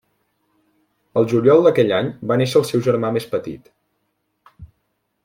El juliol d'aquell any va néixer el seu germà més petit.